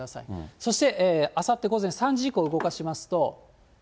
そして、あさって午前３時以降動かしますと。